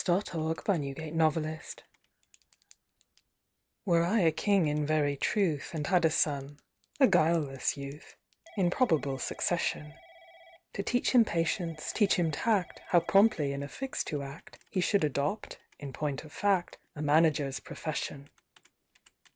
A MANAGER'S PERPLEXITIES WERE I a king in very truth, And had a son—a guileless youth— In probable succession; To teach him patience, teach him tact, How promptly in a fix to act, He should adopt, in point of fact, A manager's profession.